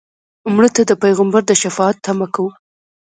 مړه ته د پیغمبر د شفاعت تمه کوو